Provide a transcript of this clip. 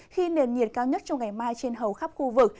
khi nền nhiệt cao nhất trong ngày mai trên hầu khắp khu vực